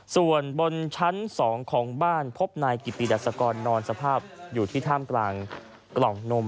ส่วนบนชั้น๒ของบ้านพบนายกิปิดิดัชกรนอนสภาพอยู่ที่ท่ามกลางกล่องนม